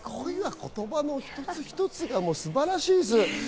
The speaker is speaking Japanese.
言葉の一つ一つが素晴らしい。